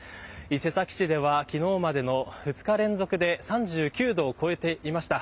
伊勢崎市では昨日までの２日連続で３９度を超えていました。